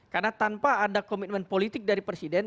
karena tanpa ada komitmen politik dari presiden